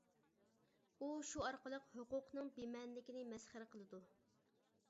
ئۇ شۇ ئارقىلىق ھوقۇقنىڭ بىمەنىلىكىنى مەسخىرە قىلىدۇ.